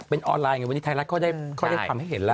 เป็นออนไลน์ไงวันนี้ไทยรัฐก็ได้ทำให้เห็นแล้ว